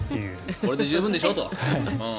これで十分でしょと。